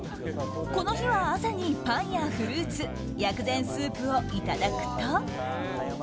この日は、朝にパンやフルーツ薬膳スープをいただくと。